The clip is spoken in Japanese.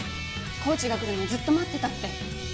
コーチが来るのをずっと待ってたって。